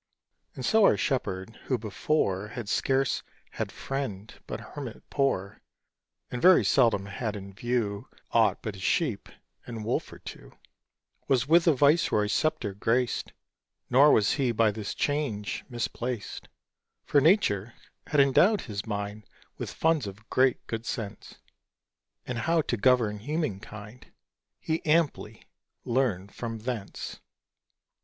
And so our Shepherd, who before Had scarce had friend but hermit poor, And very seldom had in view Aught but his sheep and wolf or two, Was with a viceroy's sceptre graced; Nor was he by this change misplaced, For Nature had endowed his mind With funds of great good sense; And how to govern human kind He amply learned from thence.